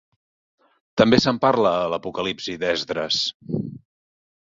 També se'n parla a l'Apocalipsi d'Esdres.